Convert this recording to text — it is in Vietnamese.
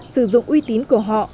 sử dụng uy tín của họ